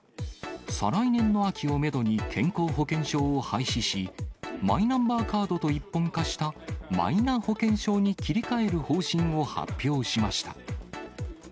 再来年の秋をメドに健康保険証を廃止し、マイナンバーカードと一本化したマイナ保険証に切り替える方針を発表しました。